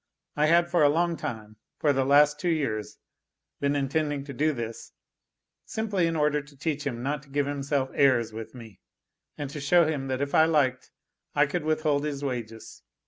I had for a long time for the last two years been intending to do this, simply in order to teach him not to give himself airs with me, and to show him that if I liked I could withhold his wages.